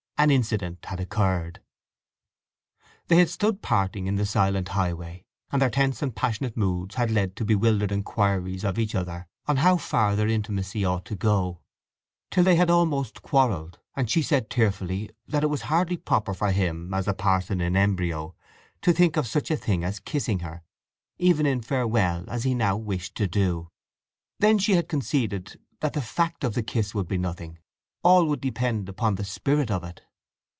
An incident had occurred. They had stood parting in the silent highway, and their tense and passionate moods had led to bewildered inquiries of each other on how far their intimacy ought to go; till they had almost quarrelled, and she said tearfully that it was hardly proper of him as a parson in embryo to think of such a thing as kissing her even in farewell as he now wished to do. Then she had conceded that the fact of the kiss would be nothing: all would depend upon the spirit of it.